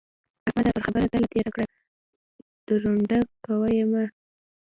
احمده! پر خبره تله تېره کړه ـ ډنډوره کوه يې مه.